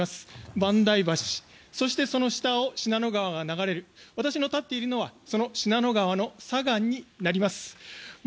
萬代橋そしてその下を信濃川が流れる私の立っているのはその信濃川の左岸になります。